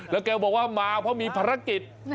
แล้วแกบอกว่ามาเพราะมีภารกิจ